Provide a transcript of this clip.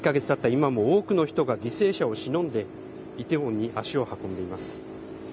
今も多くの人が犠牲者をしのんで、イテウォンに足を運んでいます。